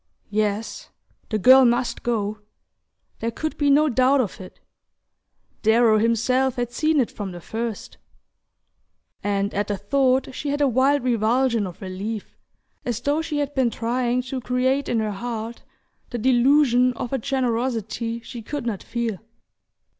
Yes: the girl must go there could be no doubt of it Darrow himself had seen it from the first; and at the thought she had a wild revulsion of relief, as though she had been trying to create in her heart the delusion of a generosity she could not feel...